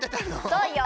そうよ